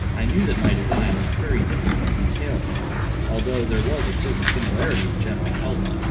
I knew that my design was very different in detail from this—although there was a certain similarity in general outline.